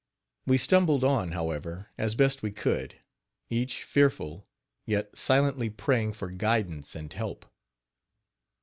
We stumbled on, however, as best we could, each fearful, yet silently praying for guidance and help.